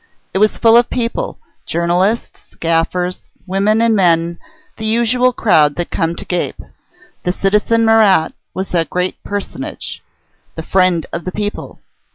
It was full of people: journalists, gaffers, women and men the usual crowd that come to gape. The citizen Marat was a great personage. The Friend of the People.